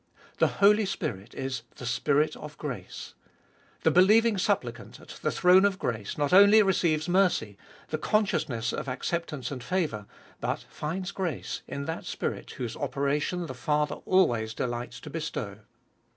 The Holy Spirit is " the Spirit of grace." The believing supplicant at the throne of grace not only receives mercy, the consciousness of accept ance and favour, but finds grace, in that Spirit whose operation fboliest of ail 173 the Father always delights to bestow.